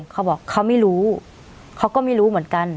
เขาบอกเขาไม่รู้เขาก็ไม่รู้เหมือนกัน